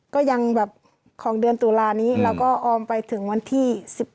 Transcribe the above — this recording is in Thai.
ก็ยังแบบของเดือนตุลานี้แล้วก็ออมไปถึงวันที่๑๑